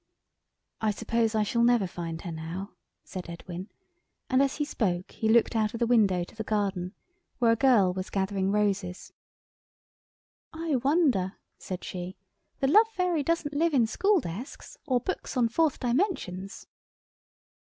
"I suppose I shall never never find her now?" said Edwin, and as he spoke he looked out of the window to the garden, where a girl was gathering roses. "I wonder!" said she. "The Love Fairy doesn't live in schooldesks or books on Fourth Dimensions."